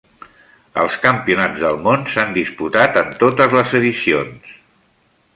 Als Campionats del Món s'han disputat en totes les edicions.